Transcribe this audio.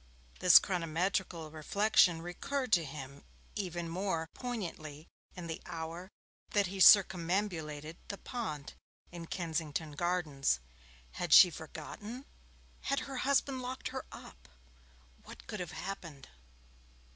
This chronometrical reflection recurred to him even more poignantly in the hour that he circumambulated the pond in Kensington Gardens. Had she forgotten had her husband locked her up? What could have happened?